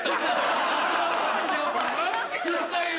待ってくださいよ！